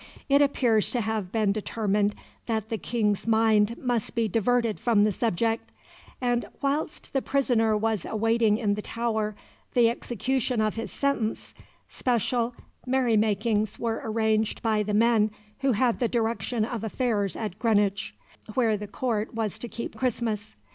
It appears to have been determined that the King's mind must be diverted from the subject; and whilst the prisoner was awaiting in the Tower the execution of his sentence, special merry makings were arranged by the men who had the direction of affairs at Greenwich, where the court was to keep Christmas.